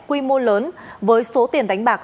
quy mô lớn với số tiền đánh bạc